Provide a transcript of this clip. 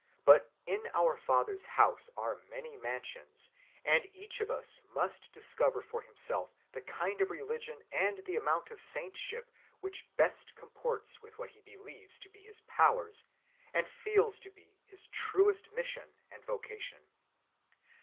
But in our Father's house are many mansions, and each of us must discover for himself the kind of religion and the amount of saintship which best comports with what he believes to be his powers and feels to be his truest mission and vocation.